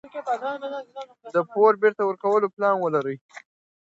د پور بیرته ورکولو پلان ولرئ.